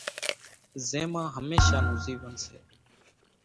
زين مان ھميشا نون زيون سي۔